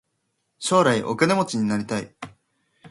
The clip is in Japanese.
将来お金持ちになりたい。